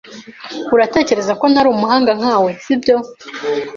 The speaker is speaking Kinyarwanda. Uratekereza ko ntari umuhanga nkawe, sibyo?